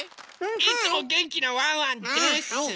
いつも元気なワンワンです！